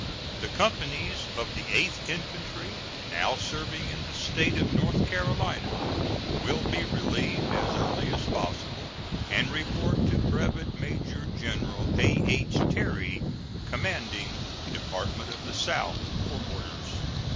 The companies of the Eighth Infantry now serving in the State of North Carolina will be relieved as early as possible, and report to Brevet Major General A.H. Terry, commanding Department of the South, for orders.